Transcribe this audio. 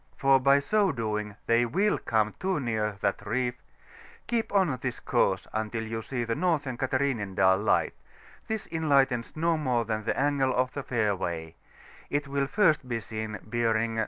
for by so doing they will come too near that reef: keep on this course until you see the northern Catharinendal Light ; this enlightens no more than the angle of the fairway: it will first be seen bearing S.